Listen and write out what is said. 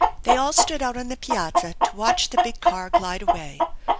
They all stood out on the piazza to watch the big car glide away.